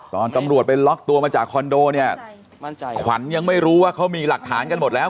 ตอนตำรวจไปล็อกตัวมาจากคอนโดเนี่ยขวัญยังไม่รู้ว่าเขามีหลักฐานกันหมดแล้ว